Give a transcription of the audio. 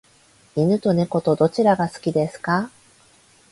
犬と猫とどちらが好きですか？